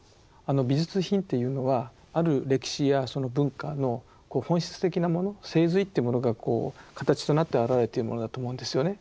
美術品っていうのはある歴史やその文化の本質的なもの精髄っていうものがこう形となって表れているものだと思うんですよね。